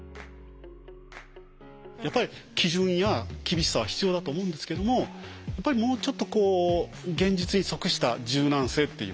やっぱり基準や厳しさは必要だと思うんですけどもやっぱりもうちょっとこう現実に即した柔軟性っていうのが。